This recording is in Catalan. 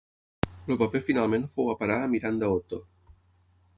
El paper finalment fou a parar a Miranda Otto.